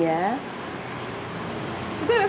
iya lebih berserat